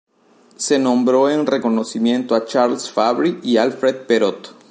Se nombró en reconocimiento a Charles Fabry y Alfred Perot.